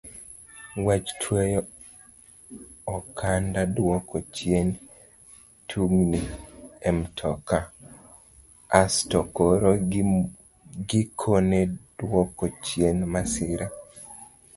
Wach tweyo okanda duoko chien tungni e mtoka asto koro gikone duoko chien masira.